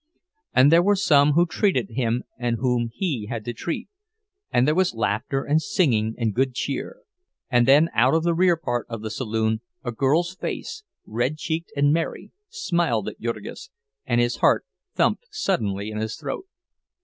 And there were some who treated him and whom he had to treat, and there was laughter and singing and good cheer; and then out of the rear part of the saloon a girl's face, red cheeked and merry, smiled at Jurgis, and his heart thumped suddenly in his throat.